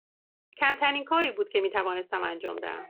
کمترین کاری بود که می توانستم انجام دهم.